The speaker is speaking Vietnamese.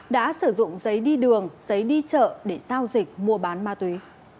đã sử dụng giấy đi đường giấy đi chợ để giao dịch mua bán ma túy